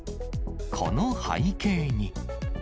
この背景に。